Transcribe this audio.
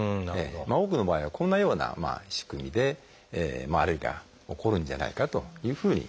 多くの場合はこんなような仕組みでアレルギーが起こるんじゃないかというふうに考えられています。